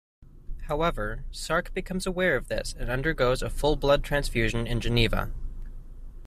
However, Sark becomes aware of this and undergoes a full blood transfusion in Geneva.